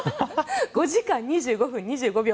５時間２５分２５秒。